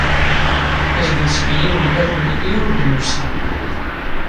Azgen seg inelmaden i ur d-nusi.